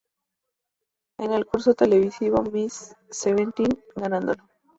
En el concurso televisivo: "Miss Seventeen", ganándolo.